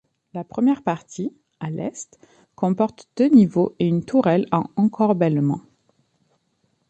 La première partie, à l'est, comporte deux niveaux et une tourelle en encorbellement.